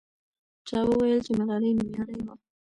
چا وویل چې ملالۍ نومیالۍ وه.